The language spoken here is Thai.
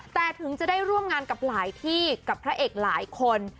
แต่ถึงจะได้ร่วมงานกับหลายที่กับพระเอกหลายคน